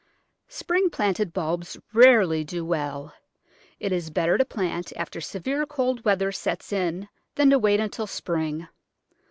Spring planted bulbs rarely do well. It is better to plant after severe cold weather sets in than to wait until spring.